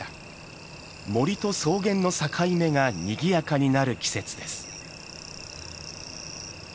森と草原の境目がにぎやかになる季節です。